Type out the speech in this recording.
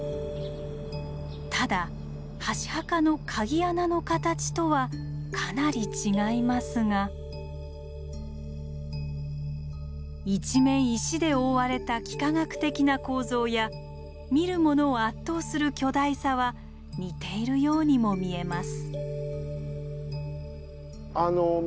ただ箸墓の鍵穴の形とはかなり違いますが一面石で覆われた幾何学的な構造や見る者を圧倒する巨大さは似ているようにも見えます。